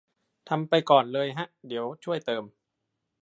ทำไปก่อนเลยฮะ เดี๋ยวช่วยเติม